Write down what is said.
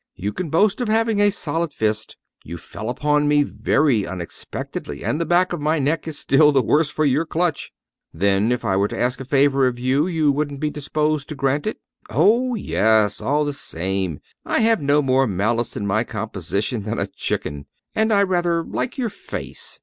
You can boast of having a solid fist! You fell upon me very unexpectedly; and the back of my neck is still the worse for your clutch." "Then, if I were to ask a favor of you, you wouldn't be disposed to grant it?" "Oh, yes! all the same. I have no more malice in my composition than a chicken; and I rather like your face.